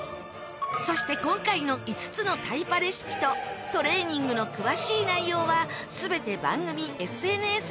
そして今回の５つのタイパレシピとトレーニングの詳しい内容は全て番組ＳＮＳにアップ。